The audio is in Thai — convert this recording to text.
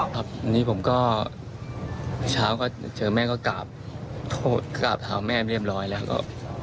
หันนี้ผมก็เช้าเจอแม่ก็กลับพูดกลับถามแม่เรียบร้อยแล้วก็